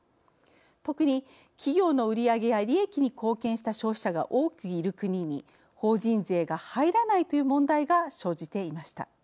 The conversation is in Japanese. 特に企業の売り上げや利益に貢献した消費者が多くいる国に法人税が入らないという問題が生じていました。